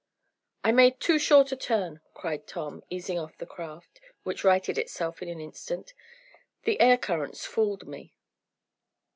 "I made too short a turn!" cried Tom, easing off the craft, which righted itself in an instant. "The air currents fooled me."